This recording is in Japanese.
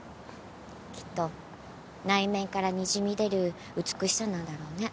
きっと内面からにじみ出る美しさなんだろうね。